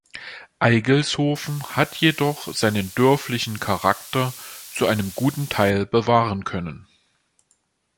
Eygelshoven hat jedoch seinen dörflichen Charakter zu einem guten Teil bewahren können.